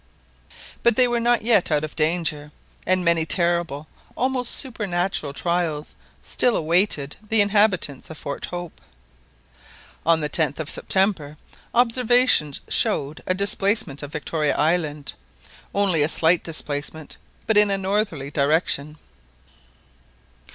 But they were not yet out of danger, and many terrible, almost supernatural, trials still awaited the inhabitants of Fort Hope. On the 10th of September observations showed a displacement of Victoria Island. Only a slight displacement, but in a northerly direction.